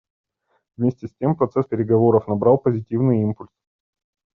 Вместе с тем процесс переговоров набрал позитивный импульс.